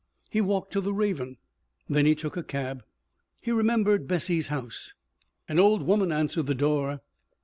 He walked to the Raven. Then he took a cab. He remembered Bessie's house. An old woman answered the door.